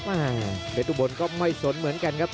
อ่าเรทุบลก็ไม่สนเหมือนกันครับ